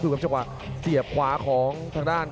ดูจากเฉพาะเสียบขวาของทางด้าน